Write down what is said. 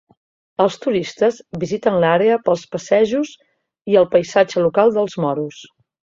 Els turistes visiten l'àrea pels passejos i el paisatge local dels moros.